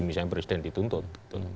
tapi kita harus menuntut